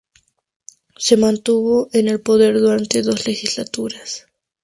Se mantuvo en el poder durante dos legislaturas.